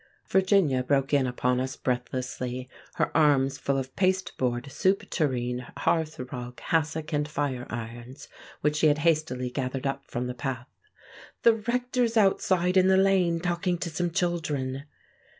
Virginia broke in upon us breathlessly, her arms full of pasteboard, soup tureen, hearthrug, hassock, and fire irons, which she had hastily gathered up from the path. "The Rector's outside in the lane talking to some children."